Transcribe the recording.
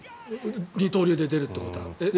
二刀流で出るということは。